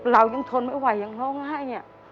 เรายังทนไม่ไหวยังร้องไห้